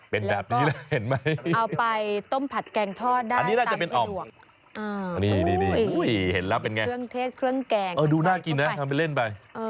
เป็นแบบนี้แหละเห็นไหมอันนี้น่าจะเป็นอ่อมอุ้ยเห็นแล้วเป็นไงดูน่ากินนะทำเป็นเล่นไป